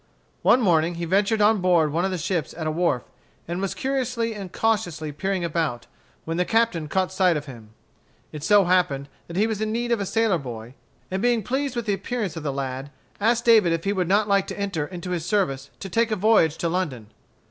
One morning he ventured on board one of the ships at a wharf, and was curiously and cautiously peering about, when the captain caught sight of him. It so happened that he was in need of a sailor boy, and being pleased with the appearance of the lad, asked David if he would not like to enter into his service to take a voyage to London.